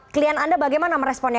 klien anda bagaimana meresponnya